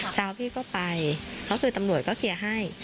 ชาวพี่ก็ไปเพราะตำรวจก็เคลียร์ให้